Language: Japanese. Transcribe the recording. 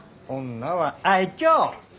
女は愛嬌。